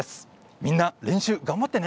みんな練習、頑張ってね。